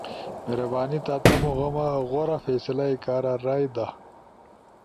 مہربانی تھا تمو غورا فیصلہ ئی کارا رائے دا۔ ت